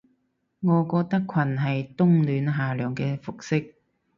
我覺得裙係冬暖夏涼嘅服飾